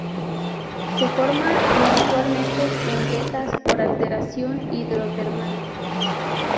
Se forma inusualmente en vetas por alteración hidrotermal.